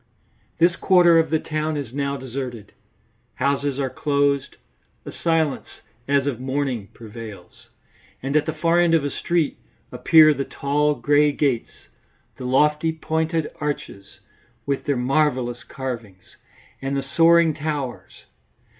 This quarter of the town is now deserted. Houses are closed; a silence as of mourning prevails. And at the far end of a street appear the tall grey gates, the lofty pointed arches with their marvellous carvings and the soaring towers.